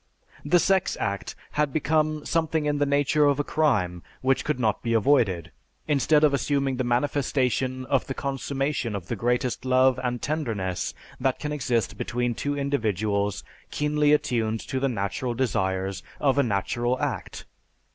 The sex act had become something in the nature of a crime which could not be avoided, instead of assuming the manifestation of the consummation of the greatest love and tenderness that can exist between two individuals keenly attuned to the natural desires of a natural act.